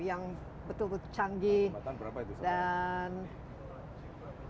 yang betul betul canggih